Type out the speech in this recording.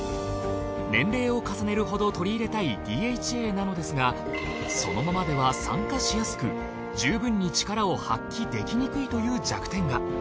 年齢を重ねるほど摂り入れたいＤＨＡなのですがそのままでは酸化しやすく十分にチカラを発揮できにくいという弱点が。